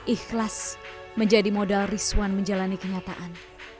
ikhlas menjadi modal rizwan menjalani kenyataan